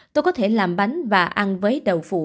tôi có thể làm bánh và ăn với đầu phụ